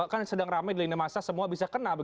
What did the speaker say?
kan sedang ramai di lini masa semua bisa kena